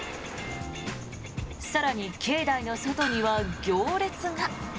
更に、境内の外には行列が。